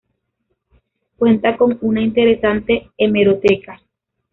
Cuenta con una interesante hemeroteca.